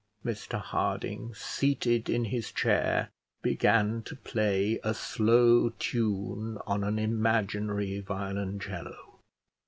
Mr Harding, seated in his chair, began to play a slow tune on an imaginary violoncello.